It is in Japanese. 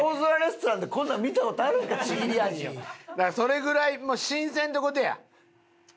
だからそれぐらい新鮮って事や。